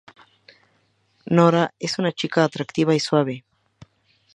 Nora es una chica atractiva y suave.